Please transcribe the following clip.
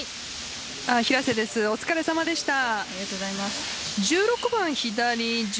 平瀬ですお疲れ様でした。